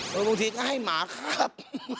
โดยบางทีก็ให้หมาครับ